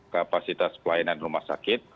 kapasitas pelayanan rumah sakit